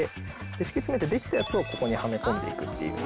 敷き詰めて出来たやつをここにはめ込んで行くっていう。